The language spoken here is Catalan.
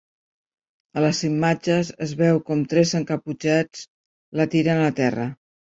A les imatges es veu com tres encaputxats la tiren a terra.